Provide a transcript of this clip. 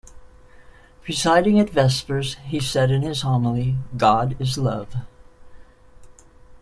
Presiding at vespers, he said in his homily: God is love.